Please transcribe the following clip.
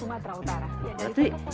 kita harus berhenti